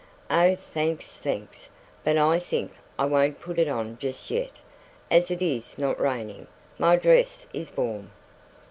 "Oh, thanks thanks! But I think I won't put it on just yet, as it is not raining. My dress is warm."